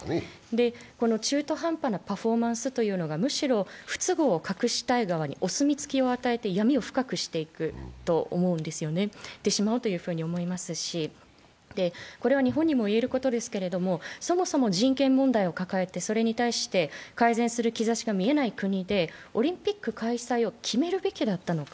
この中途半端なパフォーマンスというのがむしろ不都合を隠したい側にお墨付きを与えて闇を深くしていってしまうと思いますし、これは日本にも言えることですけど、そもそも人権問題を抱えてそれに対して改善する兆しが見えない国でオリンピック開催を決めるべきだったのか。